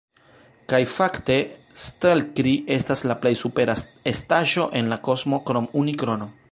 Kaj fakte, Stelkri estas la plej supera estaĵo en la kosmo krom Unikrono.